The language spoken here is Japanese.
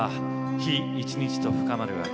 日一日と深まる秋。